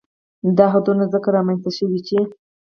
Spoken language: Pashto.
دا حدونه ځکه رامنځ ته شوي چې